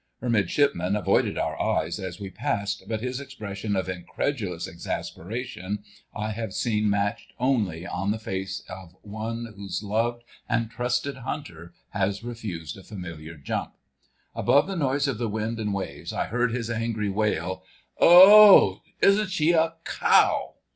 Her Midshipman avoided our eyes as we passed, but his expression of incredulous exasperation I have seen matched only on the face of one whose loved and trusted hunter has refused a familiar jump. Above the noise of the wind and waves I heard his angry wail— "O o oh! Isn't she a cow!"